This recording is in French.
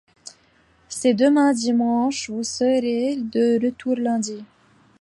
C'est demain dimanche, vous serez de retour lundi.